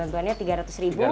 bantuannya tiga ratus ribu